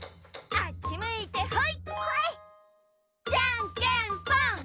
あっちむいてほい！